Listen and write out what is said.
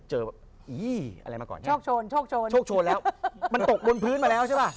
ช่องโชนมันตกบนพื้นมาแล้ว